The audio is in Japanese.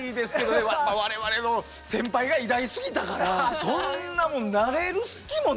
やっぱ我々の先輩が偉大すぎたからそんなもんなれる隙もない。